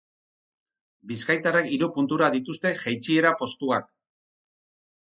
Bizkaitarrek hiru puntura dituzte jeitsiera postuak.